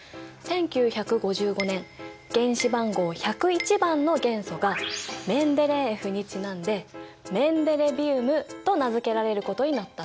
１９５５年原子番号１０１番の元素がメンデレーエフにちなんでと名付けられることになったんだ。